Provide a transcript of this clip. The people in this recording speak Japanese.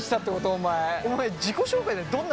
お前。